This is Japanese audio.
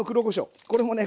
これもね